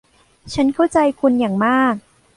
ฉันเข้าใจคุณอย่างมาก